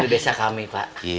di desa kami pak